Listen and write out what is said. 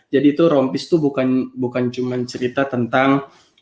jadi itu rompis tu bukan bukan cuman cerita tentang